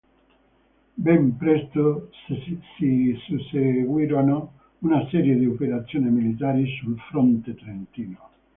Ben presto si susseguirono una serie di operazioni militari sul fronte trentino.